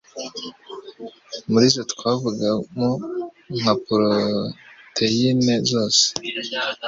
Muri zo twavugamo nka proteyini zose